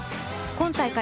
今大会